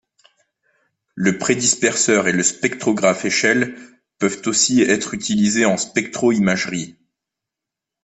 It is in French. Le prédisperseur et le spectrographe échelle peuvent aussi être utilisés en spectro-imagerie.